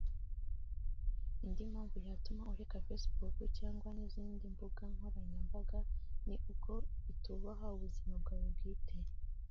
Indi mpamvu yatuma ureka facebook (cyangwa n’izindi mbuga nkoranyambaga) ni uko itubaha ubuzima bwawe bwite